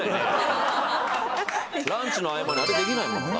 ランチの合間にあれできないもの。